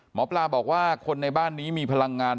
หมอปลาบอกว่าคนในบ้านนี้มีพลังงาน